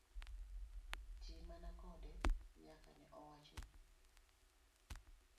Ti mana kode kaka ne owachni.